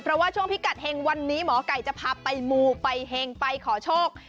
เพราะว่าช่วงพิกัดเฮงวันนี้หมอไก่จะพาไปมูไปเฮงไปขอโชค